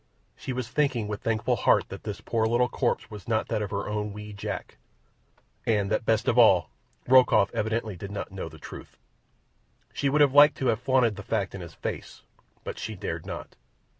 She was thinking with thankful heart that this poor little corpse was not that of her own wee Jack, and that—best of all—Rokoff evidently did not know the truth. She would have liked to have flaunted the fact in his face, but she dared not.